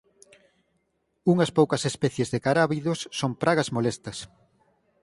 Unhas poucas especies de carábidos son pragas molestas.